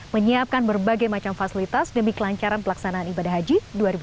menyiapkan berbagai macam fasilitas demi kelancaran pelaksanaan ibadah haji dua ribu dua puluh